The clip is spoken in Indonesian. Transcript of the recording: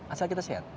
asal kita sehat